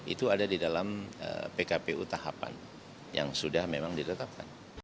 itu ada di dalam pkpu tahapan yang sudah memang ditetapkan